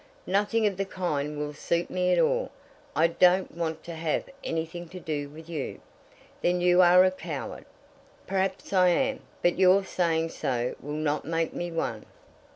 "Nothing of the kind will suit me at all. I don't want to have anything to do with you." "Then you are a coward." "Perhaps I am; but your saying so will not make me one."